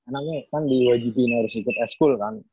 karena kan di wgp ini harus ikut s school kan